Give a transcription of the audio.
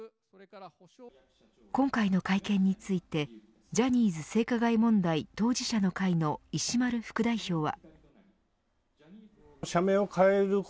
今回の会見についてジャニーズ性加害問題当事者の会の石丸副代表は。